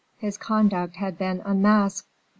His conduct had been unmasked.